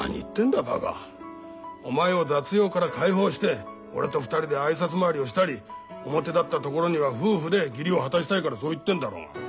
お前を雑用から解放して俺と２人で挨拶回りをしたり表立ったところには夫婦で義理を果たしたいからそう言ってんだろ。